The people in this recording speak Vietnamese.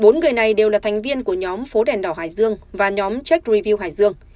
bốn người này đều là thành viên của nhóm phố đèn đỏ hải dương và nhóm tech review hải dương